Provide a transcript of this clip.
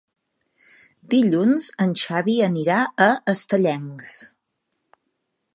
Dilluns en Xavi anirà a Estellencs.